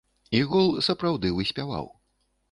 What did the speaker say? І гол сапраўды выспяваў.